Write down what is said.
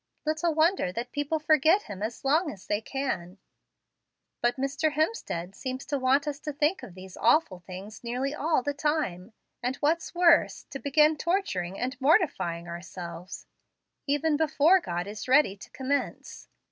Little wonder that people forget Him as long as they can. But Mr. Hemstead seems to want us to think of these awful things nearly all the time; and what's worse, to begin torturing and mortifying ourselves, even before God is ready to commence.